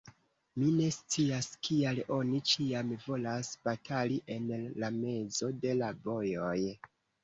Mi ne scias, kial oni ĉiam volas batali en la mezo de la vojoj.